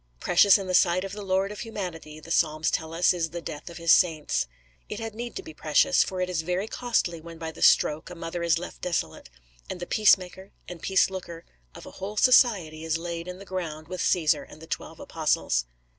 Precious in the sight of the Lord of humanity, the Psalms tell us, is the death of his saints. It had need to be precious; for it is very costly, when by the stroke, a mother is left desolate, and the peace maker, and peace looker, of a whole society is laid in the ground with Cæsar and the Twelve Apostles.